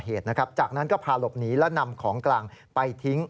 เหตุนะครับจากนั้นก็พาหลบหนีและนำของกลางไปทิ้ง